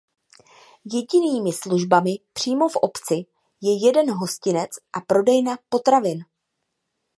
Jedinými službami přímo v obci je jeden hostinec a prodejna potravin.